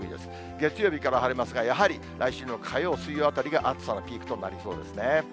月曜日から晴れますが、やはり来週の火曜、水曜あたりが、暑さのピークとなりそうですね。